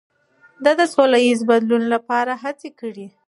ده د سولهییز بدلون لپاره هڅې کړي.